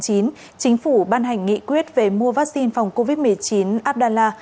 chính phủ ban hành nghị quyết về mua vaccine phòng covid một mươi chín abdallah